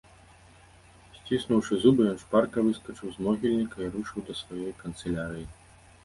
Сціснуўшы зубы, ён шпарка выскачыў з могільніка і рушыў да сваёй канцылярыі.